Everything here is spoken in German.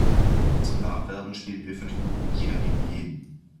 Zum Warmwerden spielen wir fünf Minuten jeder gegen jeden.